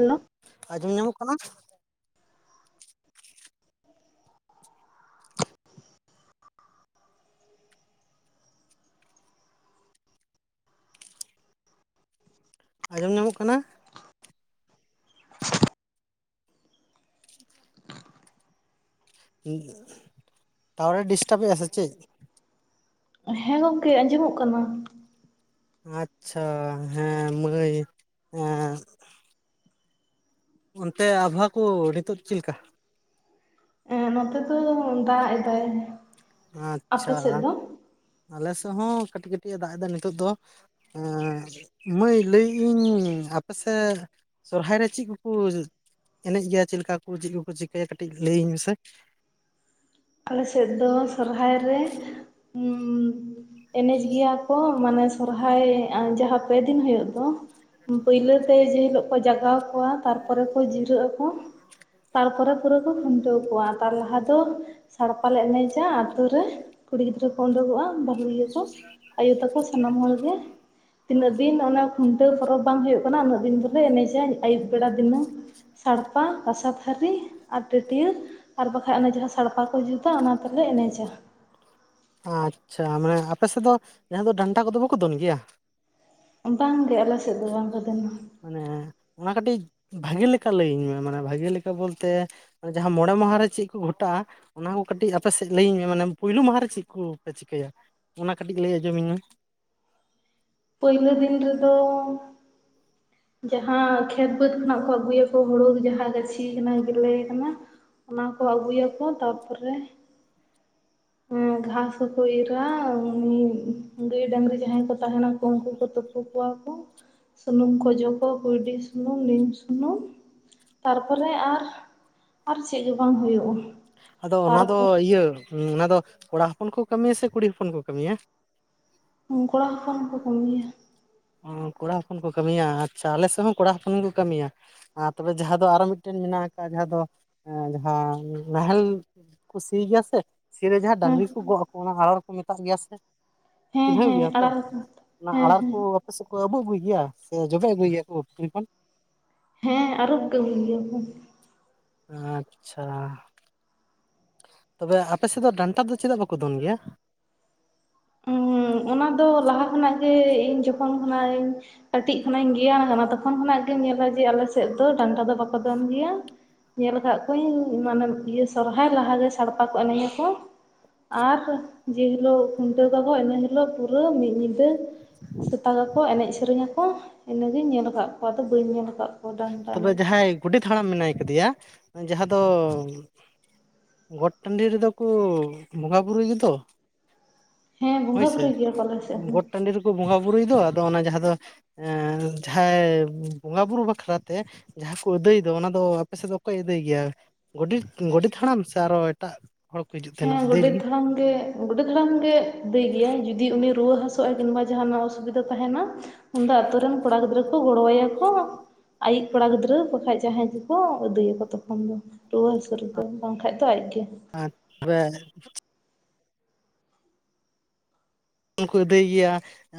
Hello. ᱟᱸᱡᱚᱢ ᱧᱟᱢᱚᱜ ᱠᱟᱱᱟ? ᱟᱸᱡᱚᱢ ᱧᱟᱢᱚᱜ ᱠᱟᱱᱟ? ᱴᱟᱣᱟᱨᱮ ᱰᱤᱥᱴᱟᱵᱮᱫᱟ ᱥᱮ ᱪᱮᱫ? ᱦᱮᱸ ᱜᱚᱝᱠᱮ ᱟᱸᱡᱚᱢᱚᱜ ᱠᱟᱱᱟ ᱾ ᱟᱪᱪᱷᱟ ᱦᱮᱸ ᱢᱟᱹᱭ ᱦᱮᱸ᱾ ᱚᱱᱛᱮ ᱟᱵᱚᱦᱟᱣᱟ ᱠᱚ ᱱᱤᱛᱳᱜ ᱪᱤᱱ ᱞᱮᱠᱟ? ᱮᱸ ᱱᱚᱛᱮ ᱫᱚ ᱫᱟᱜ ᱮᱫᱟᱭ ᱾ ᱟᱪᱪᱷᱟ ᱟᱞᱮ ᱥᱮᱱ ᱦᱚᱸ ᱠᱟᱹᱴᱤᱡ ᱠᱟᱹᱴᱤᱡ ᱮ ᱫᱟᱜ ᱮᱫᱟ ᱱᱤᱛᱳᱜ ᱫᱚ ᱾ ᱮ ᱢᱟᱹᱭ ᱞᱟᱹᱭᱮᱜ ᱟᱹᱧ ᱟᱯᱮ ᱥᱮᱫ ᱥᱚᱨᱦᱟᱭ ᱨᱮ ᱪᱤᱜ ᱠᱩᱠᱩ ᱮᱱᱮᱡ ᱜᱮᱭᱟ, ᱪᱮᱫ ᱞᱮᱠᱟ ᱠᱩ ᱪᱮᱫ ᱠᱩᱠᱩ ᱪᱤᱠᱟᱹᱭᱟ ᱠᱟᱹᱴᱤᱡ ᱞᱟᱹᱭᱟᱹᱧ ᱢᱮᱥᱮ ᱾ ᱟᱞᱮᱥᱮᱫ ᱫᱚ ᱥᱚᱨᱦᱟᱭ ᱨᱮ ᱩᱢ ᱮᱱᱮᱡ ᱜᱮᱭᱟ ᱠᱚ ᱾ ᱢᱟᱱᱮ ᱥᱚᱨᱦᱟᱭ ᱡᱟᱦᱟᱸ ᱯᱮᱫᱤᱱ ᱦᱩᱭᱩᱜ ᱫᱚ ᱯᱟᱹᱭᱞᱟᱹ ᱛᱮ ᱡᱮ ᱦᱤᱞᱳᱜ ᱠᱚ ᱡᱟᱜᱟᱣ ᱠᱚᱣᱟ ᱛᱟᱨᱯᱚᱨᱮ ᱠᱚ ᱡᱤᱨᱟᱹᱜ ᱟᱠᱚ ᱛᱟᱨᱯᱚᱨᱮ ᱯᱩᱨᱟᱹ ᱠᱚ ᱠᱷᱩᱱᱴᱟᱹᱣ ᱠᱚᱣᱟ, ᱛᱟᱨ ᱞᱟᱦᱟ ᱫᱚ ᱥᱟᱲᱯᱟ ᱞᱮ ᱮᱱᱮᱡᱟ ᱟᱛᱳ ᱨᱮ ᱠᱩᱲᱤ ᱜᱤᱫᱽᱨᱟᱹ ᱠᱚ ᱩᱰᱩᱠᱚᱜᱼᱟ, ᱵᱟ ᱦᱩᱲᱤᱭᱟᱹ ᱠᱚ ᱟᱭᱳ ᱛᱟᱠᱚ ᱥᱟᱱᱟᱢ ᱦᱚᱲ ᱜᱮ ᱾ ᱛᱤᱱᱟᱹᱜ ᱫᱤᱱ ᱚᱱᱟ ᱠᱷᱩᱱᱴᱟᱹᱣ ᱯᱚᱨᱚᱵᱽ ᱵᱟᱝ ᱦᱳᱭᱳᱜ ᱠᱟᱱᱟ ᱩᱱᱟᱹᱜ ᱫᱤᱱ ᱫᱚᱞᱮ ᱮᱱᱮᱡᱟ ᱟᱹᱭᱩᱵ ᱵᱮᱲᱟ ᱫᱤᱱᱟᱹᱝ ᱾ ᱥᱟᱲᱯᱟ ᱠᱟᱥᱟ ᱛᱷᱟᱨᱤ ᱟᱨ ᱴᱟᱹᱴᱭᱟᱹ ᱟᱨ ᱵᱟᱠᱷᱟᱡ ᱚᱱᱟ ᱡᱟᱦᱟᱸ ᱥᱟᱲᱯᱟ ᱠᱚ ᱠᱚ ᱡᱩᱛᱟ ᱚᱱᱟ ᱛᱮᱞᱮ ᱮᱱᱮᱡᱟ ᱾ ᱟᱪᱪᱷᱟ, ᱢᱟᱱᱮ ᱟᱯᱮᱥᱮᱫ ᱫᱚ ᱡᱟᱦᱟᱸ ᱫᱚ ᱰᱟᱱᱴᱟ ᱠᱚᱫᱚ ᱵᱟᱠᱚ ᱫᱚᱱ ᱜᱮᱭᱟ? ᱵᱟᱝᱜᱮ, ᱟᱞᱮ ᱥᱮᱫ ᱫᱚ ᱵᱟᱝ ᱠᱚ ᱫᱚᱱᱟ ᱾ ᱢᱟᱱᱮ ᱚᱱᱟ ᱠᱟᱹᱴᱤᱡ ᱵᱷᱟᱜᱮ ᱞᱮᱠᱟ ᱞᱟᱹᱭᱟᱹᱧ ᱢᱮ, ᱢᱟᱱᱮ ᱵᱷᱟᱜᱮ ᱞᱮᱠᱟ ᱵᱚᱞᱛᱮ ᱡᱟᱦᱟᱸ ᱢᱚᱬᱮ ᱢᱟᱦᱟ ᱨᱮ ᱪᱮᱫ ᱠᱚ ᱜᱷᱚᱴᱟᱜᱼᱟ ᱾ ᱚᱱᱟ ᱠᱚ ᱠᱟᱹᱴᱤᱡ ᱟᱯᱮ ᱥᱮᱫ ᱞᱟᱹᱭᱟᱹᱧ ᱢᱮ, ᱢᱟᱱᱮ ᱯᱩᱭᱞᱩ ᱢᱟᱦᱟ ᱨᱮ ᱪᱤᱠ ᱠᱩᱯᱮ ᱪᱤᱠᱟᱹᱭᱟ ᱚᱱᱟ ᱠᱟᱹᱴᱤᱡ ᱞᱟᱹᱭ ᱟᱸᱡᱚᱢᱟᱹᱧ ᱢᱮ ᱾ ᱯᱟᱹᱭᱞᱟᱹ ᱫᱤᱱ ᱨᱮᱫᱚ [inaudible] ᱡᱟᱦᱟᱸ ᱠᱷᱮᱛ ᱵᱟᱹᱫᱽ ᱠᱷᱚᱱᱟᱜ ᱠᱚ ᱟᱹᱜᱩᱭᱟᱠᱚ ᱦᱳᱲᱳ ᱡᱟᱦᱟᱸ ᱜᱟᱹᱪᱷᱤ ᱠᱟᱱᱟ ᱜᱮᱞᱮ ᱠᱟᱱᱟ ᱾ ᱚᱱᱟ ᱠᱚ ᱟᱹᱜᱩᱭᱟᱠᱚ, ᱛᱟᱯᱚ ᱨᱮ ᱦᱮᱸ ᱜᱷᱟᱥ ᱦᱚᱸᱠᱚ ᱤᱨᱟ ᱩᱱᱤ ᱜᱟᱹᱭ ᱰᱟᱝᱨᱤ ᱡᱟᱦᱟᱸᱭ ᱠᱚ ᱛᱟᱦᱮᱱᱟ᱾ ᱩᱱᱠᱩ ᱠᱚ ᱛᱩᱯᱩ ᱠᱚᱣᱟ ᱠᱚ᱾ ᱥᱩᱱᱩᱢ ᱠᱚ ᱚᱡᱚᱜ ᱟᱠᱚ ᱠᱩᱭᱰᱤ ᱥᱩᱱᱩᱢ ᱱᱤᱢ ᱥᱩᱱᱩᱢ᱾ ᱛᱟᱨ ᱯᱚᱨᱮ ᱟᱨ ᱟᱨ ᱪᱮᱜ ᱜᱮ ᱵᱟᱝ ᱦᱳᱭᱳᱜ-ᱟ᱾ ᱟᱫᱚ ᱚᱱᱟ ᱫᱚ ᱤᱭᱟᱹ ᱚᱱᱟ ᱫᱚ ᱠᱚᱲᱟ ᱦᱚᱯᱚᱱ ᱠᱚ ᱠᱟᱹᱢᱤᱭᱟ ᱥᱮ ᱠᱩᱲᱤ ᱦᱚᱯᱚᱱ ᱠᱚ ᱠᱟᱹᱢᱤᱭᱟ? ᱠᱚᱲᱟ ᱦᱚᱯᱚᱱ ᱠᱚ ᱠᱟᱹᱢᱤᱭᱟ᱾ ᱚ ᱠᱚᱲᱟ ᱦᱚᱯᱚᱱ ᱠᱚ ᱠᱟᱹᱢᱤᱭᱟ, ᱟᱪᱪᱷᱟ ᱟᱞᱮ ᱥᱮ ᱦᱚᱸ ᱠᱚᱲᱟ ᱦᱚᱯᱚᱱ ᱜᱮᱠᱚ ᱠᱟᱹᱢᱤᱭᱟ᱾ ᱟᱨ ᱛᱚᱵᱮ ᱡᱟᱦᱟᱸ ᱫᱚ ᱟᱨ ᱢᱤᱫ ᱴᱮᱱ ᱢᱮᱱᱟᱜ ᱟᱠᱟᱜ ᱡᱟᱦᱟᱸ ᱫᱚ ᱮ ᱡᱟᱦᱟᱸ ᱱᱟᱦᱮᱞ ᱠᱚ ᱥᱤ ᱜᱮᱭᱟ ᱥᱮ ᱥᱤ ᱨᱮ ᱡᱟᱦᱟᱸ ᱦᱮᱸ ᱰᱟᱝᱨᱤ ᱠᱚ ᱜᱚᱜ ᱟᱠᱚ ᱚᱱᱟ ᱦᱟᱲᱟᱨ ᱠᱚ ᱢᱮᱛᱟᱜ ᱜᱮᱭᱟ ᱥᱮ? ᱦᱮᱸ ᱪᱤᱱᱦᱟᱹᱣ ᱦᱮᱸ ᱜᱮᱭᱟ ᱛᱚ, ᱟᱲᱟᱜ ᱚᱱᱟ ᱦᱮᱸ ᱦᱟᱲᱟᱨ ᱠᱚ ᱦᱮᱸ ᱟᱯᱮᱥᱮᱜ ᱠᱚ ᱟᱹᱵᱩ ᱟᱹᱜᱩᱭ ᱜᱮᱭᱟ ᱥᱮ ᱡᱚᱵᱮ ᱟᱹᱜᱩᱭᱟ ᱠᱚ ᱯᱠᱷᱨᱤ ᱠᱷᱚᱱ? ᱦᱮᱸ ᱟᱨᱩᱯ ᱟᱜᱩᱭ ᱜᱮᱭᱟ ᱠᱚ ᱾ ᱟᱪᱷᱟ᱾ ᱛᱚᱵᱮ ᱟᱯᱮᱥᱮᱫ ᱫᱚ ᱰᱟᱱᱴᱟ ᱫᱚ ᱪᱮᱫᱟᱜ ᱵᱟᱠᱚ ᱫᱚᱱ ᱜᱮᱭᱟ? ᱦᱩᱸ ᱚᱱᱟ ᱫᱚ ᱞᱟᱦᱟ ᱠᱷᱚᱱᱟᱜ ᱜᱮ ᱤᱧ ᱡᱚᱠᱷᱚᱱ ᱠᱷᱚᱱᱟᱜ ᱤᱧ ᱠᱟᱹᱴᱤᱡ ᱠᱷᱚᱱᱟᱜ ᱤᱧ ᱜᱮᱭᱟᱱ ᱟᱠᱟᱱᱟ ᱛᱚᱠᱷᱚᱱ ᱠᱷᱚᱱᱟᱜ ᱜᱮᱢ ᱧᱮᱞᱟ ᱡᱮ ᱟᱞᱮ ᱥᱮᱫ ᱫᱚ ᱰᱟᱱᱰᱟ ᱫᱚ ᱵᱟᱠᱚ ᱫᱚᱱ ᱜᱮᱭᱟ᱾ ᱧᱮᱞ ᱟᱠᱟᱫ ᱠᱚᱣᱟᱹᱧ ᱢᱟᱱᱮ ᱤᱭᱟᱹ ᱥᱚᱨᱦᱟᱭ ᱞᱟᱦᱟᱮ ᱥᱟᱲᱯᱟ ᱠᱚ ᱮᱱᱮᱡᱧ ᱟᱠᱚ᱾ ᱟᱨ ᱡᱮ ᱦᱤᱞᱳᱜ ᱠᱷᱩᱱᱴᱟᱹᱣ ᱛᱟᱠᱚ ᱤᱱᱟᱹ ᱦᱤᱞ ᱯᱩᱨᱟᱹ ᱯᱩᱨᱟᱹ ᱢᱤᱫ ᱧᱤᱱᱫᱟᱹ ᱥᱮᱛᱟᱜᱟ ᱠᱚ ᱮᱱᱮᱡ ᱥᱮᱨᱮᱧᱟ ᱠᱚ᱾ ᱤᱱᱟᱹᱜᱤᱧ ᱧᱮᱞ ᱟᱠᱟᱫ ᱠᱚ ᱫᱚ ᱵᱟᱹᱧ ᱧᱮᱞ ᱟᱠᱟᱫ᱾ ᱠᱚᱣᱟ ᱰᱟᱱᱴᱟ ᱛᱚᱵᱮ ᱮᱱᱮᱡ ᱡᱟᱦᱟᱸᱭ ᱜᱚᱰᱮᱛ ᱦᱟᱲᱟᱢ ᱢᱮᱱᱟᱭ ᱠᱟᱫᱮᱭᱟ ᱡᱟᱦᱟᱸ ᱫᱚ ᱜᱚᱴ ᱴᱟᱱᱺᱰᱤ ᱨᱮ ᱫᱚ ᱠᱚ ᱵᱚᱸᱜᱟ ᱵᱨᱩᱭ ᱜᱮᱛᱚ ᱦᱮᱸ ᱦᱳᱭ ᱵᱚᱸᱜᱟ ᱥᱮ ᱵᱩᱨᱩᱭ ᱜᱮᱭᱟ ᱠᱚ ᱟᱞᱮ ᱥᱮᱫ ᱦᱚᱸ ᱜᱚᱴ ᱴᱟᱱᱺᱰᱤ ᱠᱚ ᱵᱚᱸᱜᱟ ᱵᱩᱨᱩᱭ ᱫᱚ ᱟᱫᱚ ᱚᱱᱟ ᱡᱟᱦᱟᱸ ᱫᱚ ᱡᱟᱦᱟᱸᱭ ᱵᱚᱸᱜᱟ ᱵᱩᱨᱩ ᱵᱟᱠᱷᱨᱟ ᱛᱮ ᱡᱟᱦᱟᱸ ᱠᱚ ᱟᱹᱫᱟᱹᱭ ᱫᱚ ᱚᱱᱟ ᱫᱚ ᱟᱯᱮ ᱥᱮᱫ ᱫᱚ ᱚᱠᱚᱭ ᱟᱹᱫᱟᱹᱭ ᱜᱮᱭᱟ? ᱜᱚᱰᱮᱛ ᱜᱚᱰᱮᱛ ᱦᱟᱲᱟᱢ ᱥᱮ ᱟᱨ ᱦᱚ ᱮᱴᱟᱜ᱾ ᱦᱚᱲ ᱠᱚ ᱦᱤᱡᱩᱜ ᱛᱟᱦᱮᱱᱟ ᱦᱮᱸ ᱟᱹᱫᱟᱹᱭ ᱜᱚᱰᱮᱛ ᱞᱟᱹᱜᱤᱫ? ᱦᱟᱲᱟᱢ ᱜᱮ ᱜᱚᱰᱮᱛ ᱦᱟᱲᱟᱢ ᱜᱮ ᱫᱟᱹᱭ ᱜᱮᱭᱟᱭ ᱡᱩᱫᱤ ᱩᱱᱤ ᱨᱩᱣᱟᱹ ᱦᱟᱹᱥᱩᱜᱼᱟ ᱡᱮᱱᱮᱵᱟ ᱡᱟᱦᱟᱸᱱᱟᱜ ᱚᱥᱩᱵᱤᱫᱟ ᱛᱟᱦᱮᱸᱱᱟ᱾ ᱩᱱᱚᱫᱟ ᱟᱛᱩ ᱨᱮᱱ ᱠᱩᱲᱟ ᱜᱤᱫᱽᱨᱟ ᱠᱚ ᱜᱚᱲ ᱟᱭᱟ ᱠᱩ᱾ ᱟᱭᱤᱡ ᱠᱚᱲᱟ ᱜᱤᱫᱽᱨᱟᱹ ᱵᱟᱠᱷᱟᱱᱡ ᱡᱟᱦᱟᱸᱭ ᱜᱮ ᱠᱚ ᱠᱚ ᱟᱹᱫᱩᱭᱟ ᱠᱚ ᱛᱚᱠᱷᱚᱱ ᱫᱚ᱾ ᱨᱩᱣᱟᱹ ᱦᱟᱹᱥᱩ ᱨᱮ ᱫᱚ ᱵᱟᱝᱠᱟᱱᱡ ᱫᱚ ᱟᱡᱜᱮ᱾ [unintelligible] ᱦᱚᱱ ᱠᱚ ᱟᱹᱫᱟᱹᱭ ᱜᱮᱭᱟ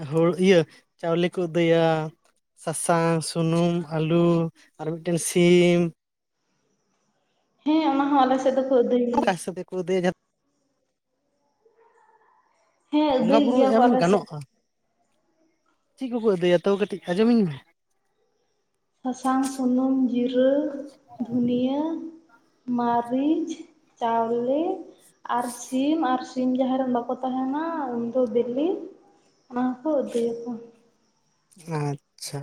ᱦᱩᱲᱩ ᱤᱭᱟᱹ ᱪᱟᱣᱞᱮ ᱠᱚ ᱟᱹᱫᱟᱹᱭᱟ᱾ ᱥᱟᱥᱟᱝ ᱥᱩᱱᱩᱢ ᱟᱹᱞᱩ ᱟᱨ ᱢᱤᱫ ᱴᱮᱱ ᱥᱤᱢ᱾ ᱦᱮᱸ ᱚᱱᱟ ᱦᱚᱸ ᱟᱞᱮᱫ ᱥᱮᱫ ᱫᱚ [unintelligible] ᱦᱮᱸ ᱵᱚᱸᱜᱟ ᱟᱹᱫᱟᱹᱭ ᱵᱩᱨᱩ ᱜᱮᱭᱟ ᱠᱚ ᱮᱢ ᱟᱞᱮ ᱥᱮᱫ ᱜᱟᱱᱚᱜᱼᱟ ᱪᱮᱫ ᱠᱩ ᱠᱩ ᱟᱹᱫᱟᱹᱭᱟ ᱛᱚ ᱠᱟᱹᱴᱤᱡ ᱟᱸᱡᱚᱢᱤᱧ ᱢᱮ? ᱥᱟᱥᱟᱝ ᱥᱩᱱᱩᱢ ᱡᱤᱨᱟᱹ ᱫᱷᱩᱱᱤᱭᱟᱹ ᱢᱟᱹᱨᱤᱪ ᱪᱟᱣᱞᱮ ᱟᱨ ᱥᱤᱢ ᱟᱨ ᱥᱤᱢ ᱡᱟᱦᱟᱭ ᱨᱮᱱ ᱵᱟᱠᱚ ᱛᱟᱦᱮᱱᱟ ᱩᱱ ᱫᱚ ᱵᱤᱞᱤ ᱚᱱᱟ ᱦᱚᱸᱠᱚ ᱩᱛᱩᱭᱟ ᱠᱚ᱾ ᱟᱪᱷᱟ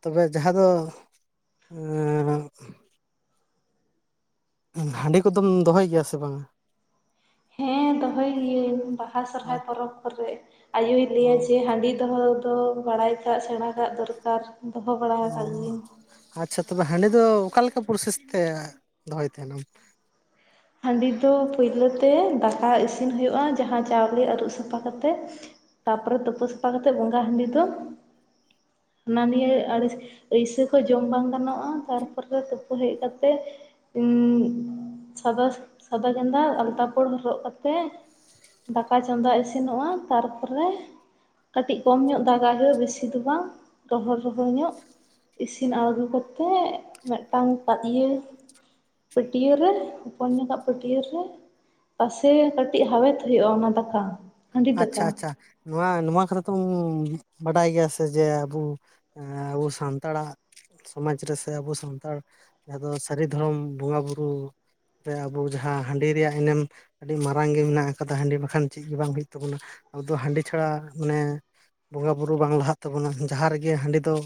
ᱛᱚᱵᱮ ᱡᱟᱦᱟᱸ ᱫᱚ ᱦᱟᱺᱰᱤ ᱠᱚ ᱫᱚᱢ ᱫᱚᱦᱚᱭ ᱜᱮᱭᱟ ᱥᱮ ᱵᱟᱝᱟ? ᱦᱮᱸ ᱫᱚᱦᱚᱭ ᱜᱤᱭᱟᱹᱧ ᱵᱟᱦᱟ ᱥᱚᱨᱦᱟᱭ ᱯᱚᱨᱚᱵᱽ ᱠᱚ ᱨᱮ ᱟᱭᱳ ᱚ ᱞᱟᱹᱭᱟ ᱡᱮ ᱦᱟᱺᱰᱤ ᱫᱚᱦᱚ ᱛᱚ ᱵᱟᱲᱟᱭ ᱠᱟᱜ ᱥᱮᱬᱟ ᱠᱟᱜ ᱫᱚᱨᱠᱟᱨ᱾ ᱫᱚᱦᱚ ᱵᱟᱲᱟ ᱚ ᱟᱠᱟᱫ ᱜᱤᱭᱟᱹᱧ ᱟᱪᱷᱟ ᱛᱚᱵᱮ ᱦᱟᱸᱰᱤ ᱫᱚ ᱚᱠᱟᱞᱮᱠᱟ ᱯᱨᱚᱥᱮᱥ ᱛᱮ ᱫᱚᱦᱚᱭ ᱛᱟᱦᱮᱱᱟᱢ? ᱦᱟᱺᱰᱤ ᱫᱚ ᱯᱚᱭᱞᱚ ᱛᱮ ᱫᱟᱠᱟ ᱤᱥᱤᱱ ᱦᱩᱭᱩᱜᱼᱟ ᱡᱟᱦᱟᱸ ᱪᱟᱣᱞᱮ ᱟᱹᱨᱩᱵ ᱥᱟᱯᱷᱟ ᱠᱟᱛᱮᱜ᱾ ᱛᱟᱨ ᱯᱚᱨᱮ ᱛᱩᱯᱩ ᱥᱟᱯᱷᱟ ᱠᱟᱛᱮᱫ ᱵᱚᱸᱜᱟ ᱦᱟᱺᱰᱤ ᱫᱚ ᱦᱟᱱᱟ ᱱᱤᱭᱟᱹ ᱟᱹᱲᱤᱥ ᱟᱭᱥᱟ ᱠᱚ ᱡᱚᱢ ᱵᱟᱝ ᱜᱟᱱᱚᱜᱼᱟ ᱛᱟᱨᱯᱚ ᱨᱮ ᱛᱩᱯᱩ ᱦᱮᱡ ᱠᱟᱛᱮᱜ ᱥᱟᱫᱟ ᱥᱟᱫᱟ ᱜᱮᱸᱫᱟ ᱟᱞᱛᱟ ᱯᱟᱹᱲ ᱦᱚᱨᱚᱜ ᱠᱟᱛᱮᱜ ᱫᱟᱠᱟ ᱪᱚᱸᱫᱟ ᱤᱥᱤᱱᱚᱜᱼᱟ ᱛᱟᱨᱯᱚᱨᱮ ᱠᱟᱹᱴᱤᱡ ᱠᱚᱢ ᱧᱚᱜ ᱫᱟᱜᱟ ᱦᱩᱭᱩᱜᱼᱟ ᱵᱮᱥᱤ ᱫᱚ ᱵᱟᱝ ᱨᱚᱦᱚᱲ ᱨᱚᱦᱚᱲ ᱧᱚᱜ᱾ ᱤᱥᱤᱱ ᱟᱬᱜᱚ ᱠᱟᱛᱮᱜ ᱢᱤᱫᱴᱟᱝ ᱯᱟ ᱤᱭᱟᱹ ᱯᱟᱹᱴᱭᱟᱹᱨ ᱨᱮ ᱦᱚᱯᱚᱱ ᱧᱚᱠᱟᱜ ᱯᱟᱹᱴᱭᱟᱹᱨ ᱨᱮ ᱯᱟᱥᱮ ᱠᱟᱹᱴᱤᱡ ᱦᱟᱣᱮᱫ ᱦᱩᱭᱩᱜ-ᱟ ᱚᱱᱟ ᱫᱟᱠᱟ᱾ ᱦᱟᱺᱰᱤ ᱟᱪᱪᱷᱟ ᱫᱟᱠᱟ ᱟᱪᱪᱷᱟ᱾ ᱱᱚᱣᱟ ᱱᱚᱣᱟ ᱠᱚᱨᱮ ᱛᱚᱢ ᱵᱟᱰᱟᱭ ᱜᱮᱭᱟ ᱥᱮ ᱡᱮ ᱟᱵᱩ ᱟᱵᱚ ᱥᱟᱱᱛᱟᱲᱟᱜ ᱥᱚᱢᱟᱡᱽ ᱨᱮ ᱥᱮ ᱟᱵᱚ ᱥᱟᱱᱛᱟᱲ ᱡᱟᱦᱟᱸ ᱫᱚ ᱥᱟᱹᱨᱤ ᱫᱷᱚᱨᱚᱢ ᱵᱚᱸᱜᱟ ᱵᱩᱨᱩ ᱛᱮ ᱟᱵᱚ ᱡᱟᱦᱟᱸ ᱦᱟᱺᱰᱤ ᱨᱮᱭᱟᱜ ᱮᱱᱮᱢ ᱟᱹᱰᱤ ᱢᱟᱨᱟᱝ ᱜᱮ ᱢᱮᱱᱟᱜ ᱟᱠᱟᱫᱟ ᱦᱟᱺᱰᱤ ᱵᱟᱠᱷᱟᱱ ᱪᱮᱫ ᱜᱮ ᱵᱟᱝ ᱦᱩᱭᱩᱜ ᱛᱟᱵᱚᱱᱟ᱾ ᱟᱵᱚ ᱫᱚ ᱦᱟᱺᱰᱤ ᱪᱷᱟᱲᱟ ᱢᱟᱱᱮ ᱵᱚᱸᱜᱟ ᱵᱩᱨᱩ ᱵᱟᱝ ᱞᱟᱦᱟᱜ ᱛᱟᱵᱚᱱᱟ᱾ ᱡᱟᱦᱟᱸ ᱨᱮᱜᱮ ᱦᱟᱺᱰᱤ ᱫᱚ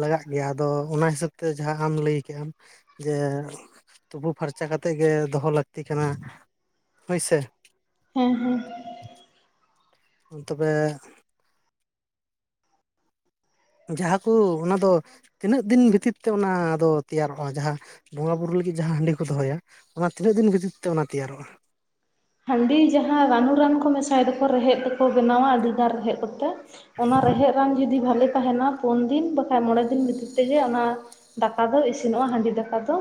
ᱞᱟᱜᱟᱜ ᱜᱮᱭᱟ ᱟᱫᱚ ᱚᱱᱟ ᱦᱤᱥᱟᱹᱵ ᱛᱮ ᱡᱟᱦᱟᱸ ᱟᱢ ᱞᱟᱹᱭ ᱠᱮᱫ-ᱟᱢ ᱡᱮ ᱛᱩᱯᱩ ᱯᱷᱟᱨᱪᱟ ᱠᱟᱛᱮᱜ ᱜᱮ ᱫᱚᱦᱚ ᱞᱟᱹᱠᱛᱤ ᱠᱟᱱᱟ ᱦᱳᱭᱥᱮ᱾ ᱦᱮᱸ ᱦᱮᱸ᱾ ᱛᱚᱵᱮ᱾ ᱡᱟᱦᱟᱸ ᱠᱚ ᱚᱱᱟ ᱫᱚ ᱛᱤᱱᱟᱹᱜ ᱫᱤᱱ ᱵᱷᱤᱛᱤᱨ ᱛᱮ ᱚᱱᱟ ᱫᱚ ᱛᱮᱭᱟᱨᱚᱜᱼᱟ ᱡᱟᱦᱟᱸ ᱵᱚᱸᱜᱟᱼᱵᱤᱨᱩ ᱞᱟᱹᱜᱤᱫ ᱡᱟᱦᱟᱸ ᱦᱟᱺᱰᱤ ᱠᱚ ᱫᱚᱦᱚᱭᱟ ᱚᱱᱟ ᱛᱤᱱᱟᱹᱜ ᱫᱤᱱ ᱵᱷᱛᱤᱨ ᱛᱮ ᱚᱱᱟ ᱛᱮᱭᱟᱨᱚᱜᱼᱟ? ᱦᱟᱺᱰᱤ ᱡᱟᱦᱟᱸ ᱨᱟᱱᱩ ᱨᱟᱱ ᱠᱚ ᱢᱮᱥᱟᱭ ᱫᱟᱠᱚ ᱨᱮᱦᱮᱫ ᱛᱮᱠᱚ ᱵᱮᱱᱟᱣᱟ ᱟᱹᱰᱤ ᱜᱟᱱ ᱨᱮᱦᱮᱫ ᱠᱚᱛᱮ᱾ ᱚᱱᱟ ᱨᱮᱦᱮᱫ ᱨᱟᱱ ᱡᱩᱫᱤ ᱵᱷᱟᱞᱮ ᱛᱟᱦᱮᱱᱟ᱾ ᱯᱩᱱ ᱫᱤᱱ ᱵᱟᱠᱷᱟᱡ ᱢᱚᱬᱮ ᱫᱤᱱ ᱵᱷᱤᱛᱤᱨ ᱛᱮᱜᱮ ᱚᱱᱟ ᱫᱟᱠᱟ ᱫᱚ ᱤᱥᱤᱱᱚᱜᱼᱟ ᱦᱟᱺᱰᱤ ᱫᱟᱠᱟ ᱫᱚ᱾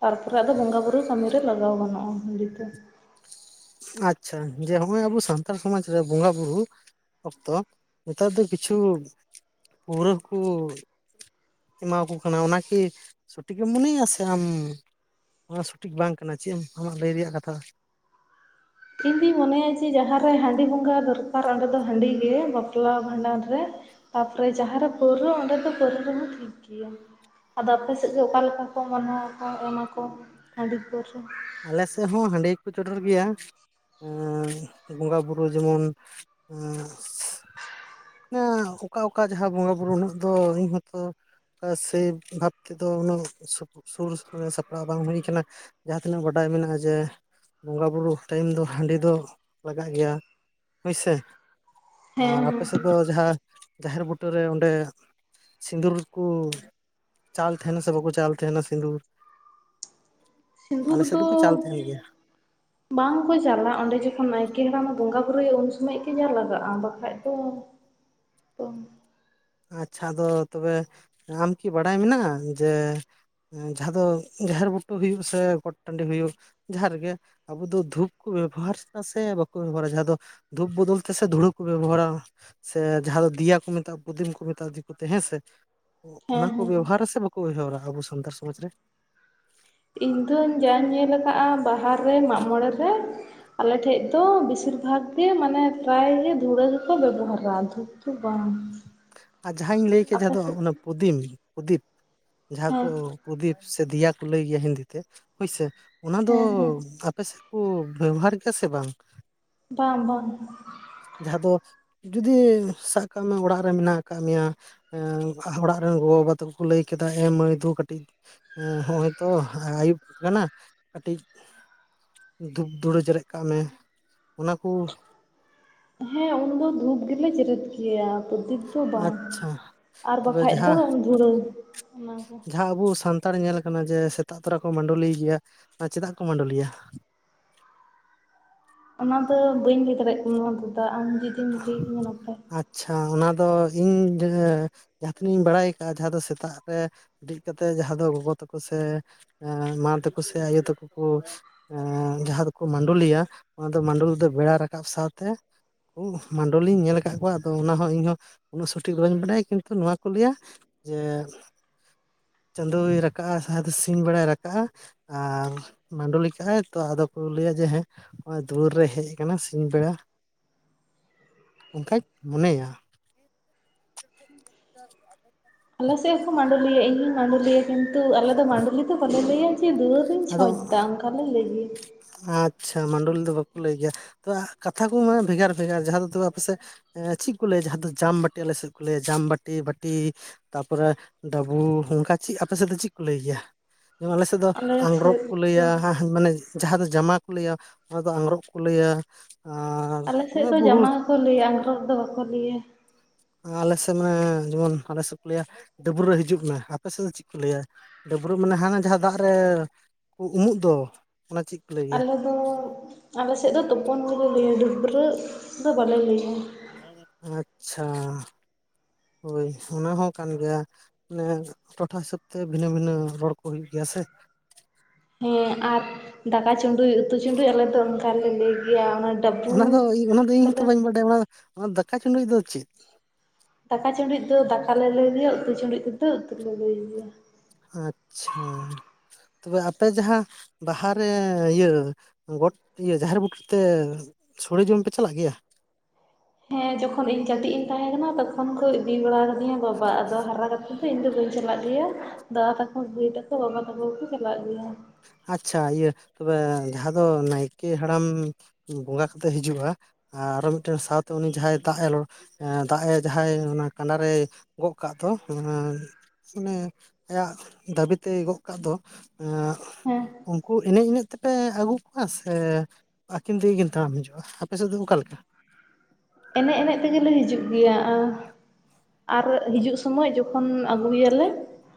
ᱛᱟᱨᱯᱚᱨᱮ ᱟᱫᱚ ᱵᱚᱸᱜᱟ ᱵᱩᱨᱩ ᱠᱟᱹᱢᱤᱤᱨᱮ ᱞᱟᱜᱟᱣ ᱜᱟᱱᱚᱜᱼᱟ ᱦᱟᱺᱰᱤ ᱠᱚ᱾ ᱟᱪᱪᱷᱟ ᱡᱮ ᱦᱚᱸᱜᱼᱚᱭ ᱟᱵᱚ ᱥᱟᱱᱛᱟᱲ ᱥᱚᱢᱟᱡ ᱨᱮ ᱵᱚᱸᱜᱟ ᱵᱩᱨᱩ ᱚᱠᱛᱚ ᱱᱮᱛᱟᱨ ᱫᱚ ᱠᱤᱪᱷᱩ ᱯᱟᱹᱣᱨᱟᱹ ᱦᱩᱠᱩ ᱮᱢᱟᱠᱚ ᱠᱟᱱᱟ ᱚᱱᱟᱠᱤ ᱥᱚᱴᱷᱤᱠᱮᱢ ᱢᱚᱱᱮᱭᱟ ᱥᱮ ᱟᱢ ᱚᱱᱟ ᱥᱚᱴᱷᱤᱠ ᱵᱟᱝ ᱠᱟᱱᱟ ᱪᱮᱫ ᱮᱢ ᱟᱢᱟᱜ ᱞᱟᱹᱭ ᱨᱮᱭᱟᱜ ᱠᱟᱛᱷᱟ? ᱤᱧ ᱫᱩᱧ ᱢᱚᱱᱮᱭᱟ ᱡᱮ ᱡᱟᱦᱟᱸ ᱨᱮ ᱦᱟᱺᱰᱤ ᱵᱚᱸᱜᱟ ᱫᱚᱨᱠᱟᱨ ᱚᱸᱰᱮ ᱫᱚ ᱦᱟᱺᱰᱤ ᱜᱮ ᱵᱟᱯᱞᱟ ᱵᱷᱟᱸᱰᱟᱱ ᱨᱮ᱾ ᱛᱟᱨᱯᱚᱨᱮ ᱡᱟᱦᱟᱸᱨᱮ ᱯᱟᱹᱣᱨᱟᱹ ᱚᱸᱰᱮ ᱫᱚ ᱯᱟᱹᱣᱨᱟᱹ ᱨᱮᱦᱚᱸ ᱴᱷᱤᱠ ᱜᱮᱭᱟ᱾ ᱟᱫᱚ ᱟᱯᱮ ᱥᱮᱫ ᱜᱮ ᱚᱠᱟ ᱞᱮᱠᱟ ᱠᱚ ᱢᱟᱱᱟᱣᱟᱠᱚ, ᱮᱢᱟ ᱠᱚ ᱦᱟᱺᱰᱤ ᱯᱟᱹᱣᱨᱟᱹ᱾ ᱟᱞᱮ ᱥᱮᱫ ᱦᱚᱸ ᱦᱟᱺᱰᱤ ᱜᱮ ᱠᱚ ᱪᱚᱰᱚᱨ ᱜᱮᱭᱟ᱾ ᱮᱸ ᱵᱚᱸᱜᱟ ᱵᱩᱨᱩ ᱡᱮᱢᱚᱱ ᱚᱱᱥ ᱚᱠᱟ ᱚᱠᱟ ᱡᱟᱦᱟᱸ ᱵᱚᱸᱜᱟ ᱵᱩᱨᱩ ᱩᱱᱟᱹᱜ ᱫᱚ ᱤᱧ ᱦᱚᱸᱛᱚ ᱠᱟ ᱥᱮᱭ ᱵᱷᱟᱵ ᱛᱮᱫᱚ ᱩᱱᱟᱹᱜ ᱥᱩᱨ ᱥᱟᱯᱲᱟᱣ ᱵᱟᱝ ᱦᱩᱭ ᱟᱠᱟᱱᱟ᱾ ᱡᱟᱦᱟᱸ ᱛᱤᱱᱟᱹᱜ ᱵᱟᱰᱟᱭ ᱢᱮᱱᱟᱜᱼᱟ ᱡᱮ ᱵᱚᱸᱜᱟᱼᱵᱩᱨᱩ ᱴᱟᱭᱤᱢ ᱫᱚ ᱦᱟᱺᱰᱤ ᱫᱚ ᱞᱟᱜᱟᱜ ᱜᱮᱭᱟ᱾ ᱦᱩᱭ ᱥᱮ ᱦᱮᱸ ᱦᱮᱸ ᱟᱨ ᱟᱯ ᱫᱚ ᱡᱟᱦᱟᱸ ᱡᱟᱦᱮᱨ ᱵᱩᱴᱟᱹᱨᱮ ᱚᱸᱰᱮ ᱥᱤᱸᱫᱩᱨ ᱠᱚ ᱪᱟᱞ ᱛᱟᱦᱮᱱᱟ ᱥᱮ ᱵᱟᱠᱚ ᱪᱟᱞ ᱛᱟᱦᱮᱱᱟ ᱥᱤᱸᱫᱩᱨ᱾ ᱥᱤᱝᱫᱩᱨ ᱟᱞᱮ ᱥᱮᱫ ᱫᱚ ᱫᱚᱠᱚ ᱪᱟᱞ ᱛᱟᱦᱮᱱ ᱜᱮᱭᱟ ᱵᱟᱝᱠᱚ ᱪᱟᱞᱞᱟᱼᱟ ᱚᱸᱰᱮ ᱡᱚᱠᱷᱚᱱ ᱱᱟᱭᱠᱮ ᱦᱟᱲᱟᱢᱮ ᱵᱚᱸᱜᱟ ᱵᱩᱨᱩᱭᱟ ᱩᱱ ᱥᱚᱢᱚᱭ ᱜᱮ ᱡᱟ ᱞᱟᱜᱟᱜᱼᱟ ᱵᱟᱠᱷᱟᱡ ᱫᱚ ᱟᱪᱪᱷᱟ ᱟᱫᱚ ᱛᱚᱵᱮ ᱟᱢ ᱠᱤ ᱵᱟᱲᱟᱭ ᱢᱮᱱᱟᱜᱼᱟ ᱡᱮ ᱡᱟᱦᱟᱸ ᱫᱚ ᱡᱟᱦᱮᱨ ᱵᱩᱴᱟᱹ ᱦᱩᱭᱩᱜ ᱥᱮ ᱜᱚᱴ ᱴᱟᱺᱰᱤ ᱦᱩᱭᱩᱜ ᱡᱟᱦᱟᱸ ᱨᱮᱜᱮ ᱟᱵᱚ ᱫᱚ ᱫᱷᱩᱯ ᱠᱚ ᱵᱮᱵᱚᱦᱟᱨᱫᱟ ᱥᱮ ᱵᱟᱠᱚ ᱵᱮᱵᱚᱦᱟᱨᱟ ᱡᱟᱦᱟᱸ ᱫᱚ ᱫᱷᱩᱯ ᱵᱚᱫᱚᱞ ᱛᱮ ᱥᱮ ᱫᱷᱩᱲᱟᱹ ᱠᱚ ᱵᱮᱵᱚᱦᱟᱨᱟ ᱥᱮ ᱡᱟᱦᱟᱸ ᱫᱚ ᱫᱮᱤᱭᱟ ᱠᱚ ᱢᱮᱛᱟᱜ-ᱟ᱾ ᱯᱩᱫᱤᱢ ᱠᱚ ᱢᱮᱛᱟ-ᱟ ᱫᱤᱠᱩᱛᱮ ᱦᱮᱸ ᱥᱮ᱾ ᱦᱮᱸ ᱚᱱᱟ ᱠᱚ ᱦᱮᱸ ᱵᱮᱵᱚᱦᱟᱨᱟ ᱥᱮ ᱵᱟᱠᱚ ᱵᱮᱣᱦᱟᱹᱨᱟ ᱟᱵᱚ ᱥᱟᱱᱛᱟᱲ ᱥᱚᱢᱟᱡᱽ ᱨᱮ? ᱤᱧ ᱫᱚᱧ ᱡᱟᱧ ᱧᱮᱞ ᱟᱠᱟᱫ ᱵᱟᱦᱟᱨ ᱨᱮ, ᱢᱟᱜ ᱢᱬᱮ ᱨᱮ᱾ ᱟᱞᱮᱴᱷᱮᱡ ᱫᱚ ᱵᱮᱥᱤᱨ ᱵᱷᱟᱜᱽ ᱜᱮ ᱢᱟᱱᱮ ᱯᱨᱟᱭᱜᱮ ᱫᱷᱩᱲᱟᱹ ᱜᱮᱠᱚ ᱵᱮᱵᱚᱦᱟᱨᱟ, ᱫᱷᱩᱯ ᱫᱚ ᱵᱟᱝ᱾ ᱟᱨ ᱡᱟᱦᱟᱸᱧ ᱞᱟᱹᱭ ᱠᱮᱫ ᱟᱯᱮ ᱡᱟᱦᱟᱸ ᱫᱚ ᱥᱮᱫ ᱚᱱᱟ ᱯᱩᱫᱤᱢ ᱯᱨᱚᱫᱤᱯ ᱡᱟᱦᱟᱸ ᱦᱮᱸ ᱠᱚ ᱯᱨᱚᱫᱤᱯ ᱥᱮ ᱫᱮᱤᱭᱟ ᱠᱚ ᱞᱟᱹᱭ ᱜᱮᱭᱟ ᱦᱤᱱᱫᱤ ᱛᱮ ᱦᱳᱭᱥᱮ, ᱚᱱᱟ ᱫᱚ ᱦᱮᱸ ᱦᱮᱸ ᱟᱯᱮ ᱥᱮᱫ ᱠᱚ ᱵᱮᱵᱚᱦᱟᱨ ᱜᱮᱭᱟ ᱥᱮ ᱵᱟᱝ? ᱵᱟᱝ ᱵᱟᱝ᱾ ᱡᱟᱦᱟᱸ ᱫᱚ ᱡᱩᱫᱤ ᱥᱟᱵ ᱠᱟᱜ ᱢᱮ ᱚᱲᱟᱜ ᱨᱮ ᱢᱮᱱᱟᱜ ᱠᱟᱜ ᱢᱮᱭᱟ ᱮᱸ ᱚᱲᱟᱜ ᱨᱮᱱ ᱜᱚ ᱵᱟᱵᱟ ᱛᱟᱠᱚᱠᱚ ᱞᱟᱹᱭ ᱠᱮᱫᱟ ᱮᱢ ᱢᱟᱹᱭ ᱫᱩ ᱠᱟᱹᱴᱤᱡ ᱮᱸ ᱦᱚᱸᱜᱼᱚᱭ ᱛᱚ ᱟᱹᱭᱩᱵ ᱠᱟᱱᱟ ᱠᱟᱹᱴᱤᱡ ᱫᱷᱩᱯ ᱫᱷᱩᱲᱟᱹ ᱡᱮᱨᱮᱫ ᱠᱟᱜ ᱢᱮ ᱚᱱᱟ ᱠᱚ ᱦᱮᱸ ᱩᱱᱫᱚ ᱫᱷᱩᱯ ᱜᱮᱞᱮ ᱡᱮᱨᱮᱫ ᱜᱮᱭᱟ ᱯᱨᱚᱫᱤᱯ ᱫᱚ ᱵᱟᱝ, ᱟᱪᱪᱷᱟ ᱟᱨ ᱛᱚᱵᱮ ᱵᱟᱠᱷᱟᱡ ᱫᱚ ᱡᱟᱦᱟᱸ ᱫᱷᱩᱲᱟᱹ, ᱚᱱᱟ ᱠᱚ᱾ ᱡᱟᱦᱟᱸ ᱟᱵᱚ ᱥᱟᱱ ᱛᱟᱲ ᱧᱮᱞ ᱠᱟᱱᱟ ᱡᱮ ᱥᱮᱛᱟᱜ ᱛᱚᱨᱟ ᱠᱚ ᱢᱟᱹᱰᱚᱞᱤ ᱜᱮᱭᱟ ᱚᱱᱟ ᱪᱮᱫᱟᱜ ᱠᱚ ᱢᱟᱹᱰᱚᱞᱤᱭᱟ? ᱚᱱᱟᱫᱚ ᱵᱟᱹᱧ ᱞᱟᱹᱭ ᱫᱟᱲᱮᱜ ᱠᱟᱱᱟ ᱫᱟᱫᱟ ᱟᱢ ᱡᱩᱫᱤᱢ ᱞᱟᱹᱭ ᱠᱧᱟ ᱱᱟᱯᱟᱭ ᱪᱷᱟ ᱚᱱᱟ ᱫᱚ ᱤᱧ ᱡᱟ ᱡᱟᱦᱟᱸ ᱛᱤᱱᱟᱹᱜ ᱤᱧ ᱵᱟᱲᱟᱭ ᱠᱟᱜᱼᱟ ᱡᱟᱦᱟᱸ ᱫᱚ ᱥᱮᱛᱟᱜ ᱨᱮ [inaudible] ᱠᱟᱛᱮ ᱡᱟᱦᱟᱸ ᱫᱚ ᱜᱚᱜᱚ ᱛᱟᱠᱚ ᱥᱮ ᱮᱸ ᱢᱟ ᱛᱟᱠᱚ ᱥᱮ ᱟᱭᱳ ᱛᱟᱠᱚ ᱠᱚ ᱮᱸ ᱡᱟᱦᱟᱸ ᱫᱚᱠᱚ ᱢᱟᱹᱰᱚᱞᱤᱭᱟ ᱚᱱᱟ ᱫᱚ ᱢᱟᱹᱰᱩᱞᱤ ᱫᱚ ᱵᱮᱲᱟ ᱨᱟᱠᱟᱵ ᱥᱟᱶᱛᱮ ᱩ ᱢᱟᱰᱚᱞᱤᱧ ᱧᱮᱞ ᱠᱟᱜ ᱠᱚᱣᱟ ᱟᱫᱚ ᱚᱱᱟ ᱦᱚᱸ ᱤᱧᱦᱚᱸ ᱩᱱᱟᱹᱜ ᱥᱚᱴᱷᱤᱠ ᱵᱟᱹᱧ ᱵᱟᱰᱟᱭᱟ ᱠᱤᱱᱛᱩ ᱱᱚᱣᱟ ᱠᱚ ᱞᱟᱹᱭᱟ ᱡᱮ ᱪᱟᱫᱳᱭ ᱨᱟᱠᱟᱵ-ᱟ ᱥᱟᱦᱟ ᱫᱚ ᱥᱤᱧ ᱵᱮᱲᱟᱭ ᱨᱟᱠᱟᱵᱼᱟ ᱟᱨ ᱢᱟᱹᱰᱚᱞᱤ ᱠᱟᱜ-ᱟᱭ ᱛᱚ ᱟᱫᱚ ᱠᱚ ᱞᱟᱹᱭᱟ ᱡᱮ ᱦᱮᱸ ᱦᱚᱸᱜᱼᱚᱭ ᱫᱩᱣᱟᱹᱨ ᱨᱮ ᱦᱮᱡ ᱠᱟᱱᱟ ᱥᱤᱧ ᱵᱮᱲᱟ ᱚᱱᱠᱟᱧ ᱢᱚᱱᱮᱭᱟ᱾ [inaudible] ᱟᱞᱮ ᱥᱮᱫ ᱦᱚᱸᱠᱚ ᱢᱟᱰᱚᱞᱤᱭᱟ ᱤᱧ ᱦᱚᱸᱧ ᱢᱟᱰᱚᱞᱤᱭᱟ ᱠᱤᱱᱛᱩ ᱟᱞᱮ ᱫᱚ ᱢᱟᱰᱚᱞᱤ ᱫᱚ ᱵᱟᱞᱮ ᱞᱟᱹᱭᱟ ᱡᱮ ᱫᱩᱣᱟᱹᱨᱤᱧ ᱪᱷᱚᱪ ᱟᱫᱚ ᱮᱫᱟ ᱚᱱᱠᱟ ᱞᱮ ᱞᱟᱹᱭ ᱜᱮᱭᱟ᱾ ᱟᱪᱪᱷᱟ ᱟᱞᱮ ᱢᱟᱱᱰᱚᱞᱤ ᱫᱚ ᱥᱮᱫ ᱵᱟᱠᱚ ᱞᱟᱹᱭ ᱜᱮᱭᱟ, ᱛᱚᱵᱮ ᱠᱟᱛᱷᱟ ᱠᱚ ᱢᱟᱱᱮ ᱵᱷᱮᱜᱟᱨ ᱵᱷᱮᱜᱟᱨ ᱡᱟᱦᱟᱸ ᱫᱚ ᱛᱚᱵᱮ ᱟᱯᱮ ᱥᱮᱫ ᱮᱸ ᱪᱮᱫ ᱠᱚ ᱞᱟᱹᱭᱟ ᱡᱟᱦᱟᱸ ᱫᱚ ᱡᱟᱢ ᱵᱟᱹᱴᱤ ᱟᱞᱮ ᱥᱮᱫ ᱠᱚ ᱞᱟᱹᱭᱟ ᱡᱟᱢ ᱵᱟᱹᱴᱤ ᱵᱟᱹᱴᱤ ᱛᱟᱯᱚᱨᱮ ᱫᱟᱹᱵᱩ ᱚᱱᱠᱟ ᱪᱮᱫ ᱟᱯᱮ ᱥᱮᱫ ᱫᱚ ᱪᱮᱫ ᱠᱚ ᱞᱟᱹᱭ ᱜᱮᱭᱟ? ᱡᱮᱢᱚᱱ ᱟᱞᱮ ᱥᱮᱫ ᱫᱚ ᱟᱝᱜᱽᱨᱚᱵ ᱥᱮᱫ ᱠᱚ ᱞᱟᱹᱭᱟ ᱫᱚ ᱢᱟᱱᱮ ᱡᱟᱦᱟᱸ ᱫᱚ ᱡᱟᱢᱟ ᱠᱚ ᱞᱟᱹᱭᱟ ᱚᱱᱟ ᱫᱚ ᱟᱝᱜᱽᱨᱚᱵᱽ ᱠᱚ ᱞᱟᱹᱭᱟ᱾ ᱟᱨ ᱟᱞᱮ ᱥᱮᱫ ᱢᱟᱱᱮ ᱫᱚ ᱵᱩᱦᱩ ᱡᱟᱢᱟ ᱜᱮᱠᱚ ᱞᱟᱹᱭᱟ ᱟᱸᱜᱨᱚᱵᱽ ᱫᱚ ᱵᱟᱠᱚ ᱞᱟᱹᱭᱟ᱾ ᱟᱞᱮ ᱥᱮᱫ ᱢᱟᱱᱮ ᱡᱮᱢᱚᱱ ᱟᱞᱮ ᱥᱮᱫ ᱠᱚ ᱞᱟᱹᱭᱟ ᱰᱟᱹᱵᱽᱨᱟᱹᱜ ᱦᱤᱡᱩᱜ ᱢᱮ ᱟᱯᱮ ᱥᱮᱫ ᱫᱚ ᱪᱮᱫ ᱠᱚ ᱞᱟᱹᱭᱟ? ᱰᱟᱹᱵᱨᱟᱹᱜ ᱢᱟᱱᱮ ᱦᱟᱱᱮ ᱡᱟᱦᱟᱸ ᱫᱟᱜ ᱨᱮ ᱩᱢᱩᱜ ᱫᱚ ᱚᱱᱟ ᱪᱮᱫ ᱠᱚ ᱞᱟᱹᱭ ᱜᱮᱭᱟ? ᱟᱞᱮ ᱫᱚ ᱟᱞᱮ ᱥᱮᱫ ᱫᱚ ᱛᱳᱯᱳᱱ ᱜᱮᱞᱮ ᱞᱟᱹᱭᱟ ᱰᱟᱹᱵᱽᱨᱟᱹᱜ ᱫᱚ ᱵᱟᱞᱮ ᱞᱟᱹᱭᱟ᱾ ᱟᱪᱪᱷᱟ, ᱦᱳᱭ ᱚᱱᱟ ᱦᱚᱸ ᱠᱟᱱ ᱜᱮᱭᱟ᱾ ᱢᱟᱱᱮ ᱴᱚᱴᱷᱟ ᱦᱤᱥᱟᱹᱵ ᱛᱮ ᱵᱷᱤᱱᱟᱹ ᱵᱷᱤᱱᱟᱹ ᱨᱚᱲ ᱠᱚ ᱦᱩᱭᱩᱜ ᱜᱮᱭᱟ ᱥᱮ᱾ ᱦᱮᱸ ᱟᱨ ᱫᱟᱠᱟ ᱪᱩᱸᱰᱩᱡ ᱩᱛᱩ ᱪᱩᱸᱰᱩᱡ ᱟᱞᱮ ᱫᱚ ᱚᱱᱠᱟ ᱞᱮ ᱞᱟᱹᱭ ᱜᱮᱭᱟ᱾ ᱚᱱᱟ ᱰᱟᱹᱵᱩ ᱚᱱᱟ ᱫᱚ ᱤ ᱚᱱᱟ ᱫᱚ ᱤᱧ ᱦᱚᱸᱛᱚ ᱵᱚᱞᱮ ᱵᱟᱹᱧ ᱵᱟᱰᱟᱭᱟ ᱚᱱᱟ ᱫᱟᱠᱟ ᱪᱩᱸᱰᱩᱪ ᱫᱚ ᱪᱮᱫ? ᱫᱟᱠᱟ ᱪᱩᱸᱰᱩᱡ ᱫᱚ ᱫᱟᱠᱟ ᱞᱮ ᱞᱩᱭ ᱜᱮᱭᱟ ᱩᱛᱩ ᱪᱩᱸᱰᱩᱡ ᱛᱮᱫᱚ ᱩᱛᱩ ᱞᱮ ᱞᱩᱭ ᱜᱮᱭᱟ᱾ ᱟᱪᱪᱷᱟ, ᱛᱚᱵᱮ ᱟᱯᱮ ᱡᱟᱦᱟᱸ ᱵᱟᱦᱟᱨᱮ ᱤᱭᱟᱹ ᱜᱚᱴ, ᱤᱭᱟᱹ ᱡᱟᱦᱮᱨ ᱵᱩᱴᱟᱹ ᱛᱮ ᱥᱳᱲᱮ ᱡᱚᱢ ᱯᱮ ᱪᱟᱞᱟᱜ ᱜᱮᱭᱟ? ᱦᱮᱸ ᱡᱚᱠᱷᱚᱱ ᱤᱧ ᱠᱟᱹᱴᱤᱡ ᱤᱧ ᱛᱟᱦᱮᱸ ᱠᱟᱱᱟ ᱛᱚᱠᱷᱚᱱ ᱠᱚ ᱤᱫᱤ ᱵᱟᱲᱟ ᱠᱟᱫᱤᱧᱟ ᱵᱟᱵᱟ ᱟᱫᱚ ᱦᱟᱨᱟ ᱠᱟᱛᱮ ᱫᱚ ᱤᱧ ᱫᱚ ᱵᱟᱹᱧ ᱪᱟᱞᱟᱜ ᱜᱮᱭᱟ ᱫᱟᱫᱟ ᱛᱟᱠᱚ ᱵᱷᱟᱹᱭ ᱛᱟᱠᱚ ᱵᱟᱵᱟ ᱛᱟᱠᱚ ᱜᱮᱠᱚ ᱪᱟᱞᱟᱜ ᱜᱮᱭᱟ᱾ ᱟᱪᱪᱷᱟ ᱤᱭᱟᱹ ᱛᱚᱵᱮ ᱡᱟᱦᱟᱸ ᱫᱚ ᱱᱟᱭᱠᱮ ᱦᱟᱲᱟᱢ ᱵᱚᱸᱜᱟ ᱠᱟᱛᱮ ᱦᱤᱡᱩᱜᱼᱟ ᱟᱨᱚ ᱢᱤᱫᱴᱮᱱ ᱥᱟᱶᱛᱮ ᱩᱱᱤ ᱡᱟᱦᱟᱸᱭ ᱫᱟᱜ-ᱮ ᱞᱚ ᱫᱟᱜ ᱮ ᱡᱟᱦᱟᱸᱭ ᱚᱱᱟ ᱠᱟᱸᱰᱟ ᱨᱮᱭ ᱜᱚᱜ ᱠᱟᱜ ᱫᱚ ᱮᱸ ᱢᱟᱱᱮ ᱟᱭᱟᱜ ᱫᱟᱹᱵᱤ ᱛᱮᱭ ᱜᱚᱜ ᱠᱟᱜ ᱫᱚ ᱮᱸ ᱦᱮᱸ ᱩᱱᱠᱩ ᱮᱱᱮᱡ ᱮᱱᱮᱡ ᱛᱮᱯᱮ ᱟᱹᱜᱩ ᱠᱚᱣᱟ ᱥᱮ ᱟᱹᱠᱤᱱ ᱛᱮᱜᱮᱠᱤᱱ ᱛᱟᱲᱟᱢ ᱦᱤᱡᱩᱜᱼᱟ ᱟᱯᱮ ᱥᱮᱫ ᱫᱚ ᱚᱠᱟ ᱞᱮᱠᱟ? ᱮᱱᱮᱡ ᱮᱱᱮᱡ ᱛᱮᱜᱮ ᱞᱮ ᱦᱤᱡᱩᱜ ᱜᱮᱭᱟ ᱾ ᱟᱨ ᱦᱤᱡᱩᱜ ᱥᱚᱢᱚᱭᱡ ᱡᱚᱠᱷᱚᱱ ᱟᱹᱜᱩᱭᱟᱞᱮ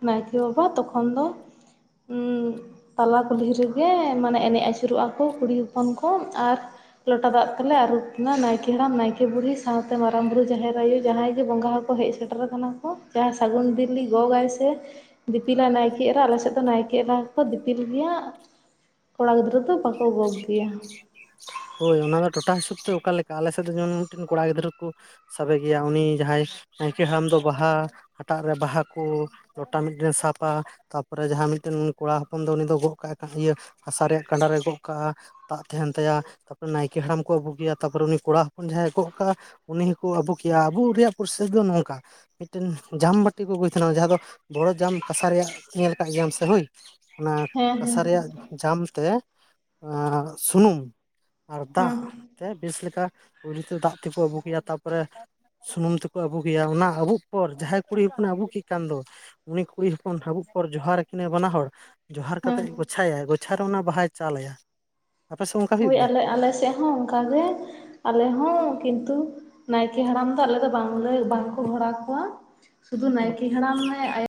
ᱱᱟᱭᱠᱮ ᱵᱟᱵᱟ ᱛᱚᱠᱷᱚᱱ ᱫᱚ [unintelligible] ᱛᱟᱞᱟ ᱠᱩᱞᱦᱤ ᱨᱮᱜᱮ ᱢᱟᱱᱮ ᱮᱱᱮᱡ ᱟᱹᱪᱩᱨᱚᱜᱚᱜᱼᱟ ᱠᱚ ᱠᱩᱲᱤ ᱦᱚᱯᱚᱱ ᱠᱚ ᱟᱨ ᱞᱚᱴᱟ ᱫᱟᱜ ᱛᱮᱞᱮ ᱟᱹᱨᱩᱵ ᱠᱮᱫᱱᱟ ᱱᱟᱭᱠᱮ ᱦᱟᱲᱟᱢ ᱱᱟᱭᱠᱮ [unintelligible] ᱵᱩᱲᱦᱤ ᱥᱟᱶᱛᱮ ᱢᱟᱨᱟᱝ ᱵᱩᱨᱩ ᱡᱟᱦᱮᱨ ᱟᱭᱳ ᱡᱟᱦᱟᱸᱭ ᱜᱮ ᱵᱚᱸᱜᱟ ᱦᱚᱸᱠᱚ ᱦᱮᱡ ᱥᱮᱴᱮᱨ ᱟᱠᱟᱱᱟ ᱠᱚ ᱪᱟᱥ ᱥᱟᱹᱜᱩᱱ ᱫᱤᱞᱤ ᱜᱚᱜ ᱟᱭᱥᱮ ᱫᱤᱯᱤᱞᱟᱭ ᱱᱟᱭᱠᱮ ᱮᱨᱟ ᱟᱞᱮ ᱥᱮᱫ ᱫᱚ ᱱᱟᱭᱠᱮ ᱮᱨᱟ ᱦᱚᱸᱠᱚ ᱫᱤᱯᱤᱞ ᱜᱮᱭᱟ ᱾ ᱠᱚᱲᱟ ᱜᱤᱫᱽᱨᱟᱹ ᱫᱚ ᱵᱟᱠᱚ ᱜᱚᱜᱽ ᱜᱮᱭᱟ ᱾ ᱦᱳᱭ ᱚᱱᱟ ᱫᱚ ᱴᱚᱴᱷᱟ ᱦᱤᱥᱟᱹᱵᱽ ᱛᱮ ᱚᱠᱟᱞᱮᱠᱟ ᱟᱞᱮᱥᱮᱫ ᱫᱚ ᱡᱮᱢᱚᱱ ᱢᱤᱫᱴᱟᱹᱱ ᱠᱚᱲᱟ ᱜᱤᱫᱽᱨᱟᱹ ᱠᱚ ᱥᱟᱵᱮ ᱜᱮᱭᱟ ᱩᱱᱤ ᱡᱟᱦᱟᱸᱭ ᱱᱟᱭᱠᱮ ᱦᱟᱲᱟᱢ ᱫᱚ ᱵᱟᱦᱟ ᱦᱟᱴᱟᱜ ᱨᱮ ᱵᱟᱦᱟ ᱠᱚ ᱞᱚᱴᱟ ᱢᱤᱫᱴᱮᱱ ᱮ ᱥᱟᱵᱟ ᱛᱟᱨᱯᱚᱨᱮ ᱡᱟᱦᱟᱸ ᱢᱤᱫᱴᱟᱹᱱ ᱠᱚᱲᱟ ᱦᱚᱯᱚᱱ ᱫᱚ ᱩᱱᱤ ᱫᱚ ᱜᱚᱜ ᱠᱟᱜ-ᱟᱭ ᱤᱭᱟᱹ ᱦᱟᱥᱟ ᱨᱮᱭᱟᱜ ᱠᱟᱸᱰᱟ ᱨᱮ ᱜᱚᱜ ᱠᱟᱜᱼᱟ, ᱫᱟᱜ ᱛᱟᱦᱮᱸᱱ ᱛᱟᱭᱟ ᱾ ᱛᱟᱯᱚᱨᱮ ᱱᱟᱭᱠᱮ ᱦᱟᱲᱟᱢ ᱠᱚ ᱟᱹᱵᱩᱠᱮᱭᱟ, ᱛᱟᱯᱚᱨ ᱩᱱᱤ ᱠᱚᱲᱟ ᱦᱚᱯᱚᱱ ᱡᱟᱦᱟᱸᱭ ᱮ ᱜᱚᱜ ᱠᱟᱜᱼᱟ ᱩᱱᱤ ᱦᱚᱸᱠᱚ ᱟᱹᱵᱩᱠᱮᱭᱟ ᱟᱹᱵᱩᱜ ᱨᱮᱭᱟᱜ ᱯᱚᱨᱥᱮᱥ ᱫᱚ ᱱᱚᱝᱠᱟ ᱢᱤᱫᱴᱟᱹᱱ ᱡᱟᱢ ᱵᱟᱴᱤ ᱠᱚ ᱟᱹᱜᱩᱭ ᱛᱟᱦᱮᱱᱟ ᱡᱟᱦᱟᱸ ᱫᱚ ᱵᱚᱲᱚ ᱡᱟᱢ ᱠᱟᱸᱥᱟ ᱨᱮᱭᱟᱜ ᱧᱮᱞ ᱟᱠᱟᱫ ᱜᱮᱭᱟᱢ ᱥᱮ ᱦᱳᱭ? ᱚᱱᱟ ᱦᱮᱸ ᱦᱮᱸ ᱠᱟᱸᱥᱟ ᱨᱮᱭᱟᱜ ᱡᱟᱢ ᱛᱮ ᱥᱩᱱᱩᱢ ᱟᱨ ᱦᱮᱸ ᱫᱟᱜ ᱛᱮ ᱵᱮᱥ ᱞᱮᱠᱟ ᱯᱳᱭᱞᱳ ᱛᱮ ᱫᱟᱜ ᱛᱮᱠᱚ ᱟᱹᱜᱩᱠᱮᱭᱟ ᱛᱟᱯᱚᱨᱮ ᱥᱩᱱᱩᱢ ᱛᱮᱠᱚ ᱟᱹᱵᱩᱠ ᱮᱭᱟ ᱚᱱᱟ ᱟᱵᱩᱜ ᱯᱚᱨ ᱡᱟᱦᱟᱸᱭ ᱠᱩᱲᱤ ᱦᱚᱯᱚᱱᱮ ᱟᱵᱩᱠᱮ ᱠᱟᱱ ᱫᱚ ᱩᱱᱤ ᱠᱩᱲᱤ ᱦᱚᱯᱚᱱ ᱦᱟᱵᱩᱜ ᱯᱚᱨ ᱡᱚᱦᱟᱨ ᱠᱤᱱᱟᱹᱭ ᱵᱟᱱᱟ ᱦᱚᱲ ᱾ ᱡᱚᱦᱟᱨ ᱦᱮᱸ ᱠᱟᱛᱮᱫ ᱜᱳᱪᱷᱟᱭᱟᱭ ᱜᱳᱪᱷᱟ ᱨᱮ ᱚᱱᱟ ᱵᱟᱦᱟᱭ ᱪᱟᱞ ᱟᱭᱟ ᱾ ᱦᱳᱭ ᱟᱞᱮ ᱟᱞᱮ ᱥᱮᱫ ᱦᱚᱸ ᱚᱱᱠᱟᱜᱮ ᱾ ᱟᱞᱮ ᱦᱚᱸ ᱠᱤᱱᱛᱩ ᱱᱟᱭᱠᱮ ᱦᱟᱲᱟᱢ ᱫᱚ ᱟᱞᱮ ᱫᱚ ᱵᱟᱝᱞᱮ ᱵᱟᱝᱠᱚ ᱜᱷᱚᱸᱲᱟ ᱠᱚᱣᱟ ᱾ ᱥᱩᱫᱩ ᱱᱟᱭᱠᱮ ᱦᱟᱲᱟᱢ ᱮ